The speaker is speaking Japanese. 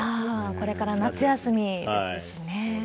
これから夏休みですしね。